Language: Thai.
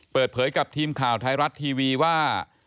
เปิดเผยกับทีมข่าวไทยรัฐทีวีว่า